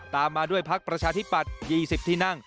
ตามมาด้วยภักดิ์ประชาธิปัตร๒๐ที่นั่ง